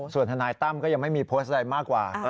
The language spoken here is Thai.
ส่วนทนายตั้มก็ยังไม่มีโพสต์ใดมากกว่า